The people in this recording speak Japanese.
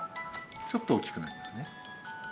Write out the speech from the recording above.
ちょっと大きくなりますね